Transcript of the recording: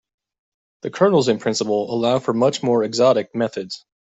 The kernels in principle allow for much more exotic methods.